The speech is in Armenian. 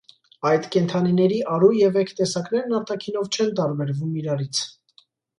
Այդ կենդանիների առու և էգ տեսակներն արտաքինով չեն տարբերվում իրարից։